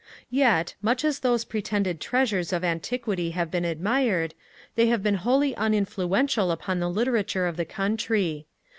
Yet, much as those pretended treasures of antiquity have been admired, they have been wholly uninfluential upon the literature of the Country.